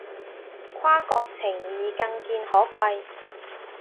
跨國情誼更見可貴